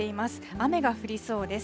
雨が降りそうです。